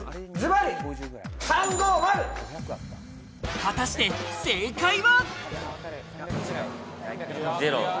果たして正解は。